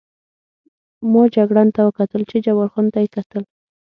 ما جګړن ته وکتل، چې جبار خان ته یې کتل.